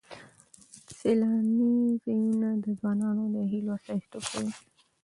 سیلاني ځایونه د ځوانانو د هیلو استازیتوب کوي.